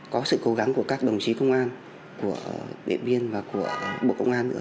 có sự cố gắng của các đồng chí công an của địa viên và của bộ công an nữa